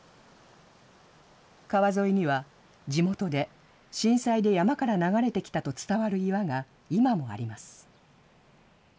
川沿いには、地元で震災で山から流れてきたと伝わる岩が今もあります。